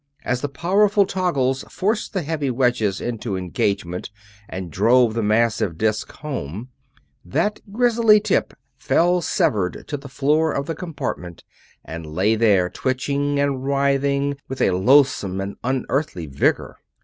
As the powerful toggles forced the heavy wedges into engagement and drove the massive disk home, that grisly tip fell severed to the floor of the compartment and lay there, twitching and writhing with a loathesome and unearthly vigor.